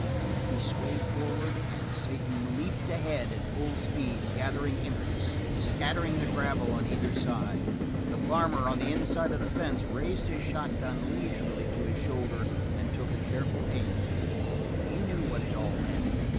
He swayed forward, and Satan leaped ahead at full speed, gathering impetus, scattering the gravel on either side. The farmer on the inside of the fence raised his shotgun leisurely to his shoulder and took a careful aim. He knew what it all meant.